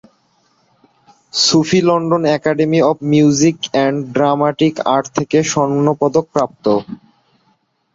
Sophie London Academy of Music and Dramatic Art থেকে স্বর্ণ পদকপ্রাপ্ত।